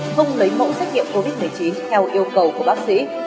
không lấy mẫu xét nghiệm covid một mươi chín theo yêu cầu của bác sĩ